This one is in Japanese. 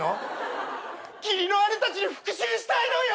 義理の姉たちに復讐したいのよ！